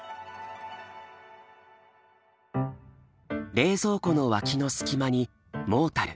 冷蔵庫の脇の隙間に「モータル」